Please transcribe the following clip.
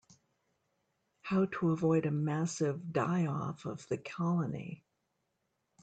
How to avoid a massive die-off of the colony.